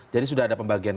jadi sudah ada pembagian